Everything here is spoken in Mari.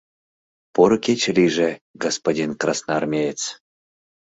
Поро кече лийже, господин красноармеец.